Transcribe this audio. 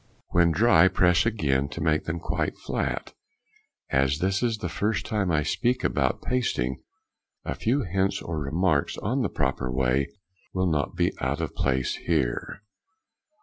When dry press again, to make them quite flat. As this is the first time I speak about pasting, a few hints or remarks on the proper way will not be out of place here.